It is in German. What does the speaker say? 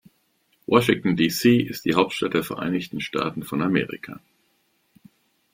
Washington, D.C. ist die Hauptstadt der Vereinigten Staaten von Amerika.